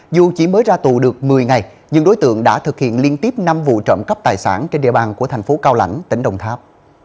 dù chỉ mới ra tù được một mươi ngày nhưng đối tượng đã thực hiện liên tiếp năm vụ trộm cắp tài sản trên địa bàn của thành phố cao lãnh tỉnh đồng tháp